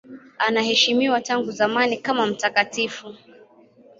Anaheshimiwa tangu zamani kama mtakatifu.